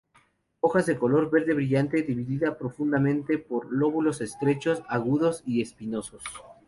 Hojas color verde brillante dividida profundamente por lóbulos estrechos, agudos y espinosos.